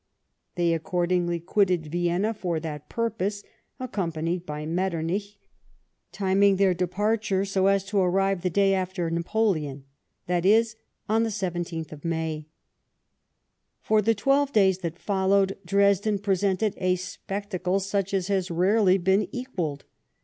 They accordingly quitted Vienna for that purpose, accompanied by Metternich, timing their departure so as to arrive the day after Napoleon, that is, on the 17th of May. For the twelve days that followed, Dresden presented a spectacle such as has rarely been equalled.